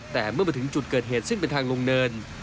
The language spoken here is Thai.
แต่เมื่อมาถึงจุดเกิดเหตุซึ่งเป็นทางลงเนิน